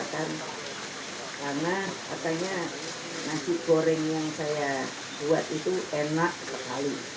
karena katanya nasi goreng yang saya buat itu enak sekali